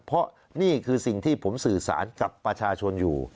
เพราะนี่คือสิ่งที่ผมสื่อสารกับประชาชนอยู่